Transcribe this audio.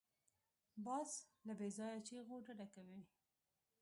باز له بېځایه چیغو ډډه کوي